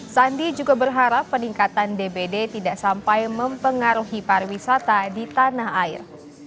sandi juga berharap peningkatan dbd tidak sampai mempengaruhi pariwisata di tanah air